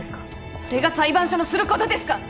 それが裁判所のすることですか！？